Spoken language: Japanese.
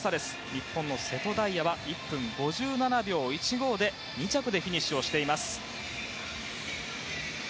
日本の瀬戸大也は１分５７秒１５で２着でフィニッシュしています。